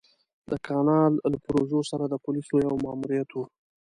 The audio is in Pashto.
د کانال له پروژې سره د پوليسو يو ماموريت و.